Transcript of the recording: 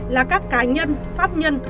là các cá nhân pháp nhân